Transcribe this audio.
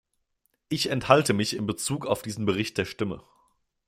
Ich enthalte mich in Bezug auf diesen Bericht der Stimme.